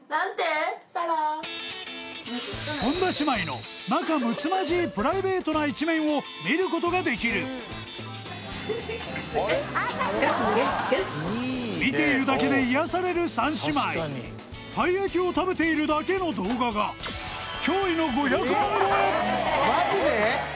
本田姉妹の仲むつまじいプライベートな一面を見ることができる見ているだけで癒やされる３姉妹たい焼きを食べているだけの動画が驚異のマジで？